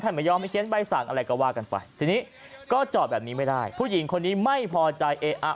ไม่ยอมไปเขียนใบสั่งอะไรก็ว่ากันไปทีนี้ก็จอดแบบนี้ไม่ได้ผู้หญิงคนนี้ไม่พอใจเอ๊ะอ่ะ